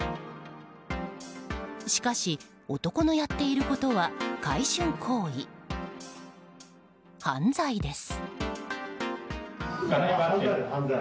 しかし、男のやっていることは買春行為、犯罪です。